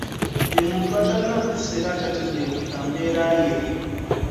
Ye muntu atalina mpisa era atategeerekeka mbeera ye.